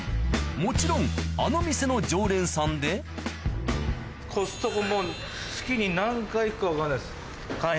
もちろんあの店の常連さんでコストコも月に何回行くか分かんないです。